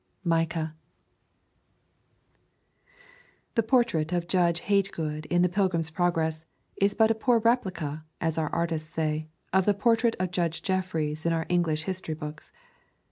Micah. The portrait of Judge Hate good in The Pilgrim's Progress is but a poor replica, as our artists say, of the portrait of Judge Jeffreys in our English history books.